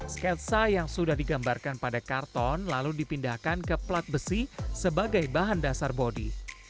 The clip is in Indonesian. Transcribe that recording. sketsa yang sudah digambarkan pada karton lalu dipindahkan ke plat besi sebagai bahan dasar bodi